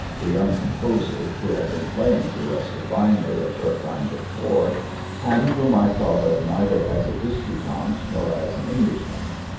the young composer who had been plapng to us divinely a short time before, and whom I thought of neither as a disputant nor as an Englishman.